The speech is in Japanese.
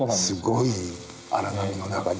すごい荒波の中で。